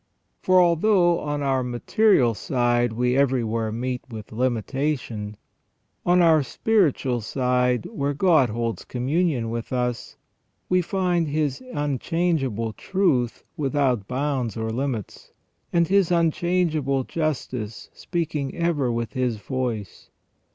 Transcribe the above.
For although on our material side we everywhere meet with limitation, on our spiritual side, where God holds communion with us, we find His unchangeable truth without bounds or limits, and His unchangeable justice speaking ever with His voice.